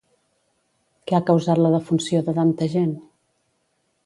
Què ha causat la defunció de tanta gent?